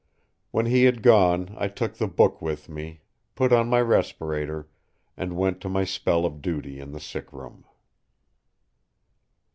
When he had gone I took the book with me, put on my respirator, and went to my spell of duty in the sick room!